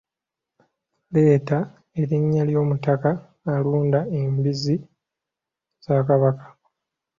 Leeta erinnya ly’omutaka alunda embuzi za Kabaka?